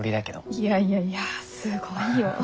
いやいやいやすごいよ。